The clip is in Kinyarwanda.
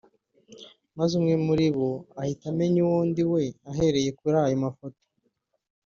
maze umwe mu ribo ahita amenya uwo ndiwe ahereye kuri ayo mafoto